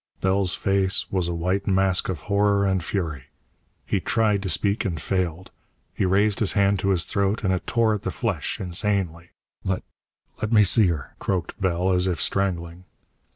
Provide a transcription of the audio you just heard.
Bell's face was a white mask of horror and fury. He tried to speak, and failed. He raised his hand to his throat and it tore at the flesh, insanely. "Let let me see her," croaked Bell, as if strangling.